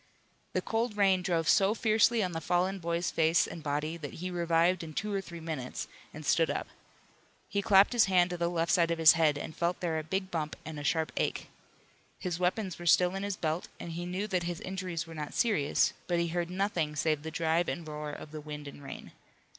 The cold rain drove so fiercely on the fallen boy's face and body that he revived in two or three minutes, and stood up. He clapped his hand to the left side of his head, and felt there a big bump and a sharp ache. His weapons were still in his belt and he knew that his injuries were not serious, but he heard nothing save the drive and roar of the wind and rain.